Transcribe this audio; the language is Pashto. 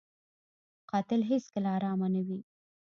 قاتل هېڅکله ارامه نه وي